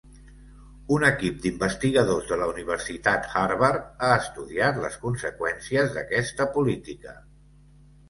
Un equip d'investigadors de la Universitat Harvard ha estudiat les conseqüències d'aquesta política.